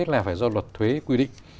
là phải do luật thuế quy định